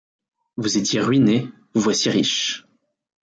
Vous étiez ruiné, vous voici riche...